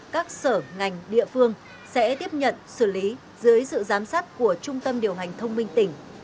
các sở ngành địa phương sẽ tiếp nhận xử lý dưới sự giám sát của trung tâm điều hành thông minh tỉnh